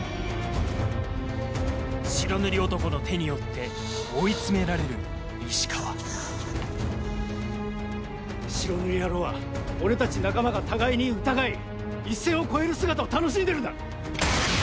白塗り男の手によって追い詰められる石川白塗り野郎は俺たち仲間が互いに疑い一線を越える姿を楽しんでるんだ。